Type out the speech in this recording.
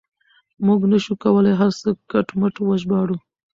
موږ نه شو کولای هر څه کټ مټ وژباړو.